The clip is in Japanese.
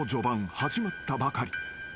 始まったばかり］